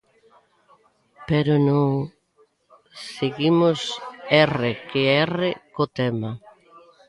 Pero non, seguimos erre que erre co tema.